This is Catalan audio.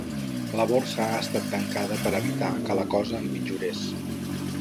La borsa ha estat tancada per evitar que la cosa empitjorés.